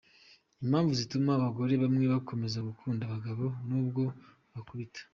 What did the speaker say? Impamvu zituma abagore bamwe bakomeza gukunda abagabo nubwo babakubita :.